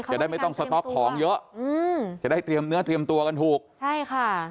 จะได้ไม่ต้องสต๊อกของเยอะอืมจะได้เตรียมเนื้อเตรียมตัวกันถูกใช่ค่ะ